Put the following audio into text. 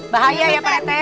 bahaya ya pak rt